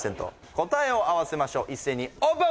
答えを合わせましょう一斉にオープン！